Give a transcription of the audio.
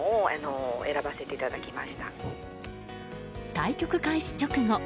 対局開始直後